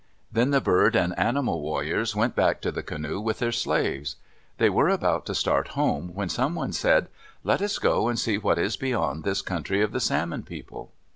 Then the bird and animal warriors went back to the canoe with their slaves. They were about to start home, when someone said, "Let us go and see what is beyond this country of the Salmon People."